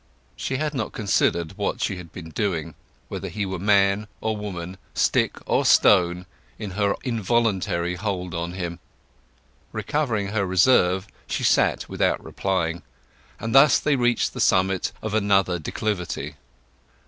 She had not considered what she had been doing; whether he were man or woman, stick or stone, in her involuntary hold on him. Recovering her reserve, she sat without replying, and thus they reached the summit of another declivity.